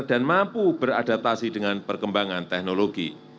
dan mampu beradaptasi dengan perkembangan teknologi